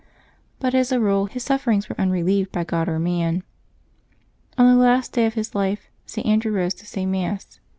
But as a rule, his sufferings were unrelieved by God or man. On the last day of his life, St. Andrew rose to say Mass.